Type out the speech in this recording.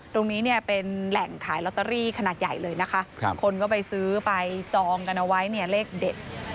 ตรงนี้เนี่ยเป็นแหล่งขายลอตเตอรี่ขนาดใหญ่เลยนะคะคนก็ไปซื้อไปจองกันเอาไว้เนี่ยเลขเด็ด